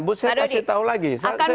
bu saya kasih tahu lagi